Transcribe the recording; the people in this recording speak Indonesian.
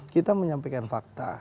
kita menyampaikan fakta